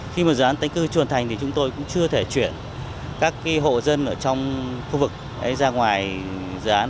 khi mà dự án tái cư thành thì chúng tôi cũng chưa thể chuyển các hộ dân ở trong khu vực ra ngoài dự án